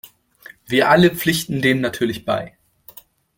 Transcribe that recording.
Wir alle pflichten dem natürlich bei.